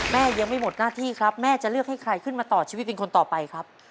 แม่ยังไม่หมดหน้าที่ครับแม่จะเลือกให้ใครขึ้นมาต่อชีวิตเป็นคนต่อไปครับ